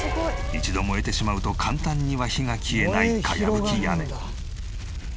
一度燃えてしまうと簡単には火が消えない茅葺き屋根。